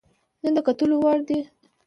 نه د کتلو وړ دى،